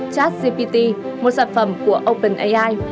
chắc gpt một sản phẩm của openai